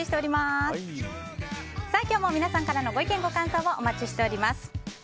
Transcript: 本日も皆様からのご意見、ご感想をお待ちしております。